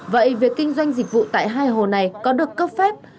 vậy việc kinh doanh dịch vụ tại hai hồ này có được cấp phép